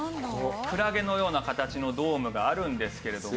クラゲのような形のドームがあるんですけれども。